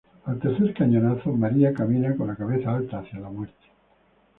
Al tercer cañonazo, María camina, con la cabeza alta, hacia la muerte.